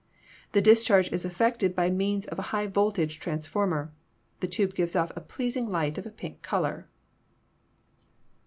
The discharge is effected by means of a high voltage transformer. The tubes give off a pleasing light of a pink color.